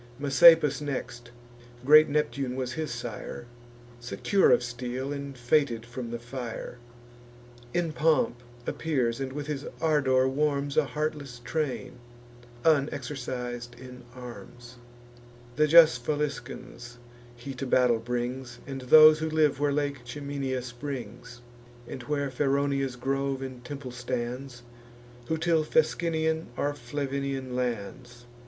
Messapus next, (great Neptune was his sire,) Secure of steel, and fated from the fire, In pomp appears, and with his ardour warms A heartless train, unexercis'd in arms: The just Faliscans he to battle brings, And those who live where Lake Ciminius springs; And where Feronia's grove and temple stands, Who till Fescennian or Flavinian lands.